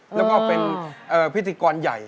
แล้วก็เป็นพิธีกรใหญ่